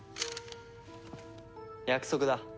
約束だ。